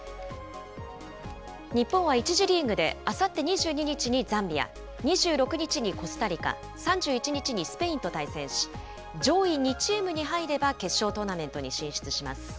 日本は１次リーグで、あさって２２日にザンビア、２６日にコスタリカ、３１日にスペインと対戦し、上位２チームに入れば、決勝トーナメントに進出します。